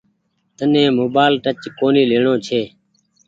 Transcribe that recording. تن ني موبآئيل ٽچ ڪونيٚ ليڻو ڇي۔